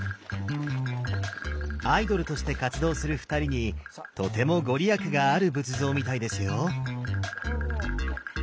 アイドルとして活動する二人にとても御利益がある仏像みたいですよ。